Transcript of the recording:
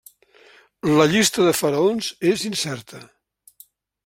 La llista de faraons és incerta.